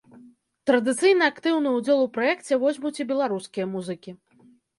Традыцыйна актыўны ўдзел у праекце возьмуць і беларускія музыкі.